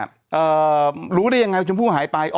เอ่อรู้ได้ยังไงว่าชมพู่หายไป